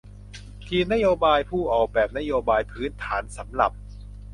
ทีมนโยบายผู้ออกแบบนโยบายพื้นฐานสำหรับ